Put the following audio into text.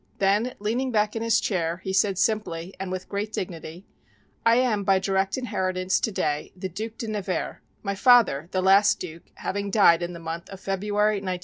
Then leaning back in his chair he said simply and with great dignity, "I am by direct inheritance today the Duc de Nevers, my father, the last duke, having died in the month of February, 1905."